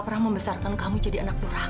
per heroes yang hidup di dekat sini